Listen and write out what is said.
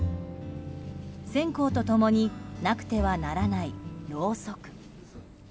線香と共になくてはならないろうそく。